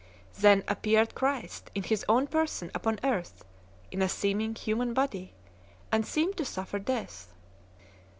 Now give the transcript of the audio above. Then appeared Christ in his own person upon earth, in a seeming human body, and seemed to suffer death.